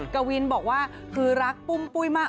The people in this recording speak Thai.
กวินบอกว่าคือรักปุ้มปุ้ยมาก